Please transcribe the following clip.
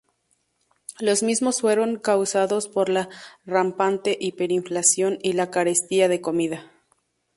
Los mismos fueron causados por la rampante hiperinflación y la carestía de comida.